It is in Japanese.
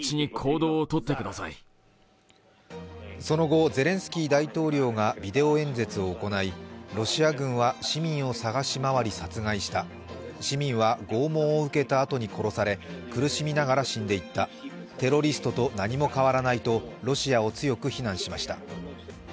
その後、ゼレンスキー大統領がビデオ演説を行い、ロシア軍は市民を捜し回り殺害した、市民は拷問を受けたあとに殺され苦しみながら死んでいった、テロリストと何も変わらないとロシアを強く非難しました。